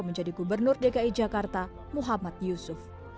menjadi gubernur dki jakarta muhammad yusuf